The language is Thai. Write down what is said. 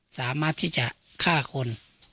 สามารถที่จะฆ่าคน